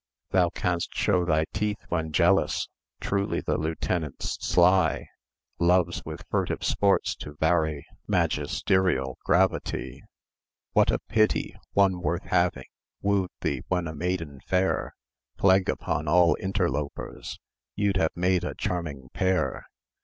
Thou canst show thy teeth when jealous; Truly the lieutenant's sly; Loves with furtive sports to vary Magisterial gravity. What a pity! One worth having Woo'd thee when a maiden fair. Plague upon all interlopers! You'd have made a charming pair.